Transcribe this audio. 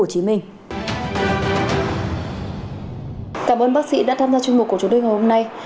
cảm ơn bác sĩ đã tham gia chương mục của chúng tôi hôm nay